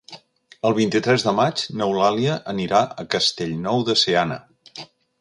El vint-i-tres de maig n'Eulàlia anirà a Castellnou de Seana.